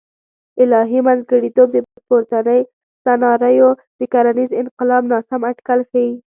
الهي منځګړیتوب پورتنۍ سناریو د کرنیز انقلاب ناسم اټکل ښیي.